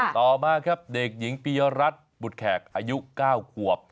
ต่อมาครับเด็กหญิงปียรัฐบุตรแขกอายุ๙ขวบ